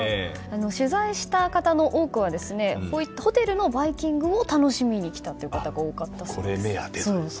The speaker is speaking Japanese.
取材した方の多くはこういったホテルのバイキングを楽しみに来たという方が多かったそうです。